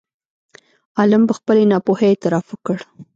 عالم په خپلې ناپوهۍ اعتراف وکړ.